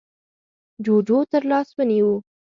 جُوجُو تر لاس ونيو: